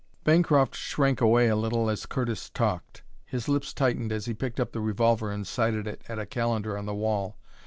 Bancroft shrank away a little as Curtis talked. His lips tightened as he picked up the revolver and sighted it at a calendar on the wall.